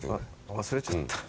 忘れちゃった。